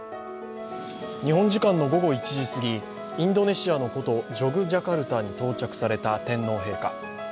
日本時間の午後１時過ぎ、インドネシアの古都、ジョグジャカルタに到着された天皇陛下。